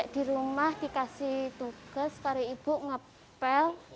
di rumah dikasih tugas cari ibu ngepel